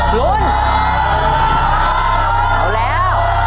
เอาแล้ว